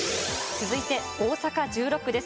続いて、大阪１６区です。